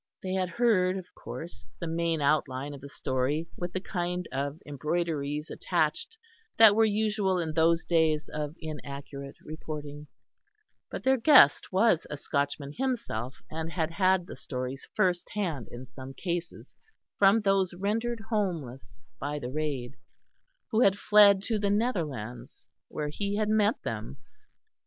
They had heard of course the main outline of the story with the kind of embroideries attached that were usual in those days of inaccurate reporting; but their guest was a Scotchman himself and had had the stories first hand in some cases from those rendered homeless by the raid, who had fled to the Netherlands where he had met them.